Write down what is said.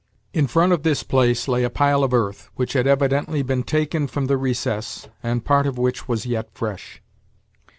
In front of this place lay a pile of earth, which had evidently been taken from the recess, and part of which was yet fresh.